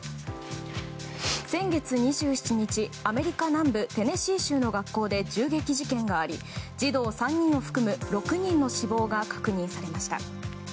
先月２７日アメリカ南部テネシー州の学校で銃撃事件があり児童３人を含む６人の死亡が確認されました。